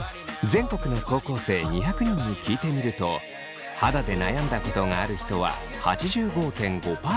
全国の高校生２００人に聞いてみると肌で悩んだことがある人は８５．５％。